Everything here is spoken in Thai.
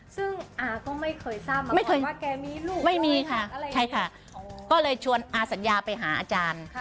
ซึ่งอาก็ไม่เคยทราบไม่เคยว่าไม่มีค่ะใช่ค่ะก็เลยชวนอาสัญญาไปหาอาจารย์